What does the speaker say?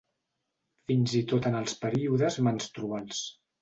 Fins i tot en els períodes menstruals.